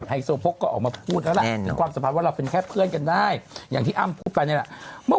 ให้โฟก็ออกมาพูดแล้วละ